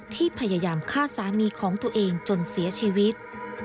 ที่พยายามฆ่าสามีของตัวเองจนเสียชีวิต